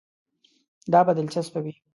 دا به دلچسپه وي.